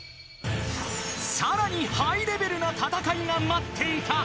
［さらにハイレベルな戦いが待っていた］